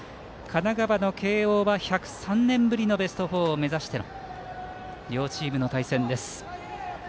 神奈川の慶応は１０３年ぶりのベスト４を目指しての両チームの対戦です。